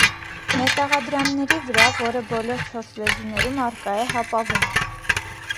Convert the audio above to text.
Մետաղադրամների վրա, որը բոլոր չորս լեզուներում առկա է հապավումը։